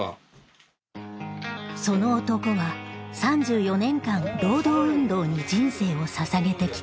その男は３４年間労働運動に人生を捧げてきた。